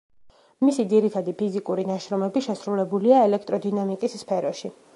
მისი ძირითადი ფიზიკური ნაშრომები შესრულებულია ელექტროდინამიკის სფეროში.